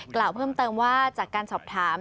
กล่าวเพิ่มเติมว่าจากการสอบถาม